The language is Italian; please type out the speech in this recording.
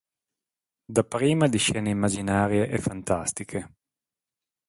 Dapprima di scene immaginarie e fantastiche.